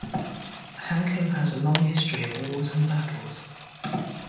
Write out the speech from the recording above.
Hanko has a long history of wars and battles.